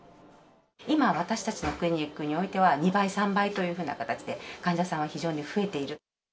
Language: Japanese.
今、私たちのクリニックにおいては２倍、３倍というふうな形で患者さんは非常に増えている。